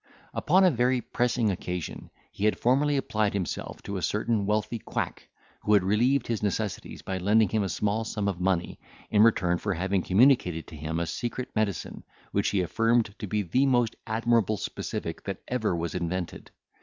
Upon a very pressing occasion, he had formerly applied himself to a certain wealthy quack, who had relieved his necessities by lending him a small sum of money, in return for having communicated to him a secret medicine, which he affirmed to be the most admirable specific that ever was invented.